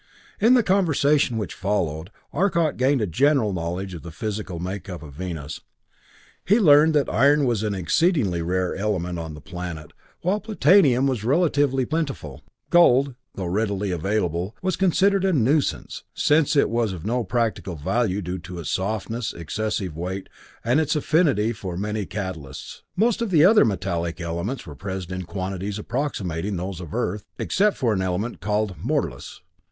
In the conversation which followed, Arcot gained a general knowledge of the physical makeup of Venus. He learned that iron was an exceedingly rare element on the planet, while platinum was relatively plentiful. Gold, though readily available, was considered a nuisance, since it was of no practical value due to its softness, excessive weight and its affinity for many catalysts. Most of the other metallic elements were present in quantities approximating those of Earth, except for an element called "morlus".